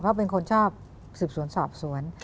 เพราะเป็นคนชอบสืบสวนสอบสวน